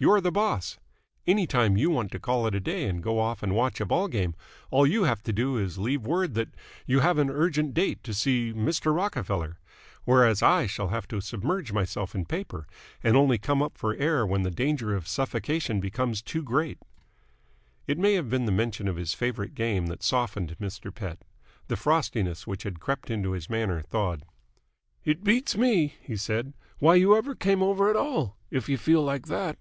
You're the boss. Any time you want to call it a day and go off and watch a ball game, all you have to do is to leave word that you have an urgent date to see Mr. Rockerfeller. Whereas I shall have to submerge myself in paper and only come up for air when the danger of suffocation becomes too great." It may have been the mention of his favourite game that softened Mr. Pett. The frostiness which had crept into his manner thawed. "It beats me," he said, "why you ever came over at all, if you feel like that."